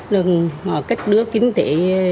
đừng có kết đứa kinh tế